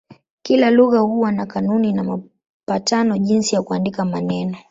Kila lugha huwa na kanuni na mapatano jinsi ya kuandika maneno.